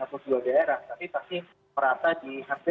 tapi pasti merata di hampir semua kabupaten